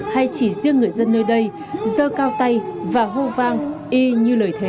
hay chỉ riêng người dân nơi đây dơ cao tay và hô vang y như lời thế